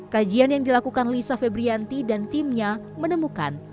kajian yang dilakukan lisa febrianti dan timnya menemukan